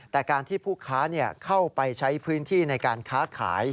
แต่การที่ผู้ค้าเข้าไปใช้พื้นที่ในการค้าขาย